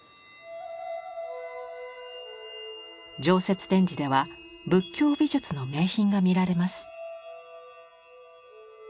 常設展示では仏教美術の名品が見られます。